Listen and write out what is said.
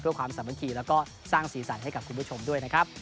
ด้วยความสามารถขี่แล้วก็สร้างสีใสให้กับคุณผู้ชมด้วยนะครับ